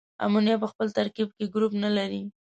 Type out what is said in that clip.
امونیا په خپل ترکیب کې ګروپ نلري.